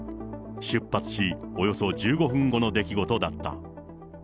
出発し、およそ１５分後の出来事だった。